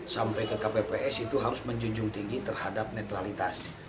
sampai ke kpps itu harus menjunjung tinggi terhadap netralitas